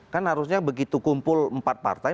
kan harusnya begitu kumpul empat partai